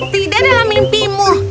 tidak dalam mimpimu